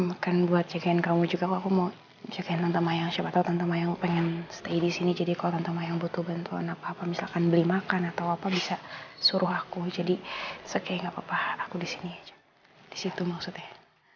makan buat jagain kamu juga aku mau jagain tante mayang siapa tau tante mayang pengen stay disini jadi kalau tante mayang butuh bantuan apa apa misalkan beli makan atau apa bisa suruh aku jadi segaya gak apa apa aku disini aja disitu maksudnya